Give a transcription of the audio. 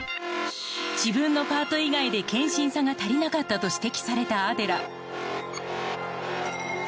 自分のパート以外で献身さが足りなかったと指摘されたアデラ。